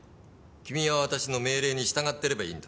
君は私の命令に従ってればいいんだ。